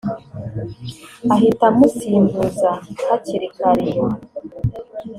ahita amusimbuza hakiri kare